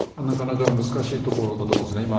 なかなか難しいところだと思うんですね。